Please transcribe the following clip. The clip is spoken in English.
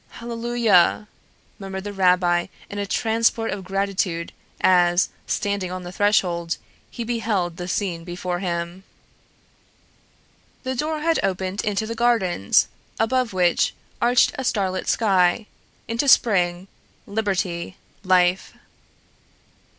"HALLELUIA!" murmured the rabbi in a transport of gratitude as, standing on the threshold, he beheld the scene before him. The door had opened into the gardens, above which arched a starlit sky, into spring, liberty, life!